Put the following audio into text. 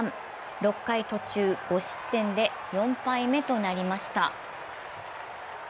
６回途中５失点で４敗目となりました。